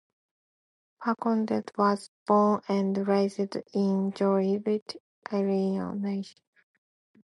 Perconte was born and raised in Joliet, Illinois.